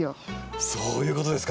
そういうことですか。